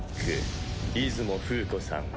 出雲風子さん。